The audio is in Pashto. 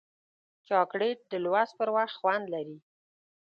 چاکلېټ د لوست پر وخت خوند لري.